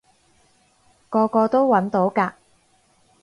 個個都搵到㗎